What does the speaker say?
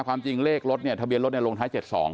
ความจริงเลขรถเนี่ยทะเบียนรถลงท้าย๗๒